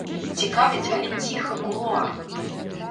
Цікавіць, але ціха, кулуарна.